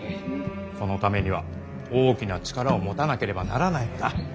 そのためには大きな力を持たなければならないのだ。